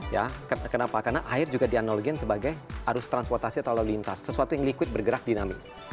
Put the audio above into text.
ya kenapa karena air juga dianalogikan sebagai arus transportasi atau lalu lintas sesuatu yang liquid bergerak dinamis